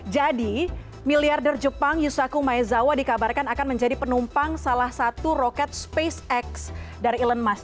jadi miliarder jepang yusaku maezawa dikabarkan akan menjadi penumpang salah satu roket spacex dari elon musk